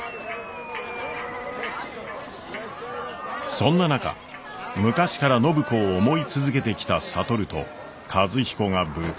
そんな中昔から暢子を思い続けてきた智と和彦がぶつかり合うことに。